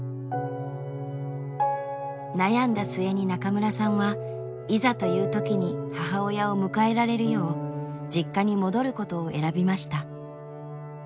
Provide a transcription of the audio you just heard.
悩んだ末に中村さんはいざという時に母親を迎えられるよう実家に戻ることを選びました。